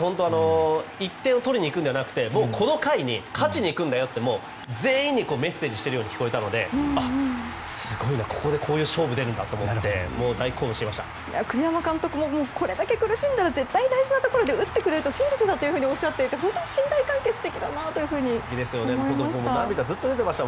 １点を取りに行くのではなくてもう、この回に勝ちに行くんだよって全員にメッセージしているように聞こえたのですごいな、ここでそういう勝負に出るんだと思って栗山監督もこれだけ苦しんだら絶対大事なところで打ってくれると信じていたとおっしゃっていて本当に信頼関係素敵だなと思ってました。